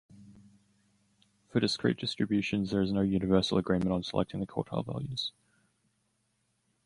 For discrete distributions, there is no universal agreement on selecting the quartile values.